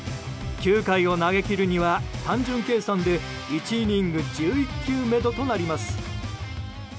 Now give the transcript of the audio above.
９回を投げ切るには単純計算で１イニング１１球めどとなります。